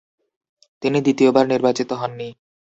তিনি দ্বিতীয়বার নির্বাচিত হননি।